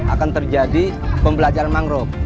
akan terjadi pembelajaran mangrove